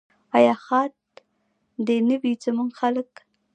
آیا ښاد دې نه وي زموږ خلک؟